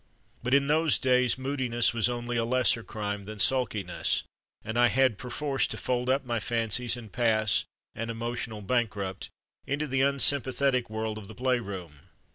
But in those days moodiness was only a lesser crime than sulkiness, and I had perforce to fold up my fancies and pass, an emotional bankrupt, into the unsym pathetic world of the playroom.